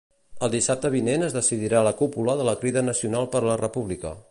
El dissabte vinent es decidirà la cúpula de la Crida Nacional per la República.